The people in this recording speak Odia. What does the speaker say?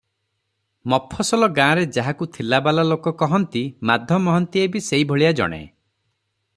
ମଫସଲ ଗାଁରେ ଯାହାକୁ ଥିଲାବାଲା ଲୋକ କହନ୍ତି, ମାଧ ମହାନ୍ତିଏ ବି ସେହିଭଳିଆ ଜଣେ ।